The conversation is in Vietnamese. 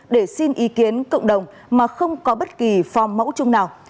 để xin ý kiến cộng đồng mà không có bất kỳ phong mẫu chung nào